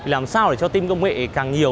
làm sao để cho team công nghệ càng nhiều